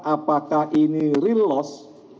apakah ini real loss